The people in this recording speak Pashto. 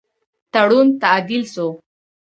تړون تعدیل سو.